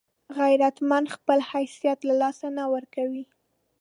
غیرتمند خپل حیثیت له لاسه نه ورکوي